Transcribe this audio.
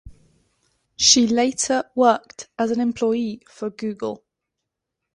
She later worked as an employee for Google.